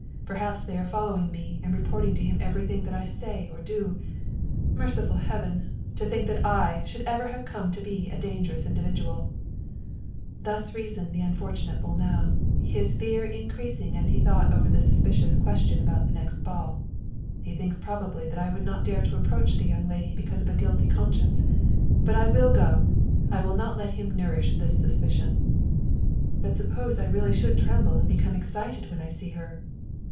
Perhaps they are following me and reporting to him every thing that I say or do ? Merciful Heaven ! to think that / should ever have come to be a dangerous individual !" Thus reasoned the unfortunate Bolnau, his fear increas ing as he thought over the suspicious question about the next ball. " He thinks probably that I would not dare to approach the young lady because of a guilty conscience. But I will go! I will not let him nourish this suspicion. But suppose I really should tremble and become excited 119 German Mystery Stories when I see her?